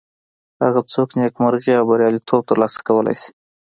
هغه څوک نیکمرغي او بریالیتوب تر لاسه کولی شي.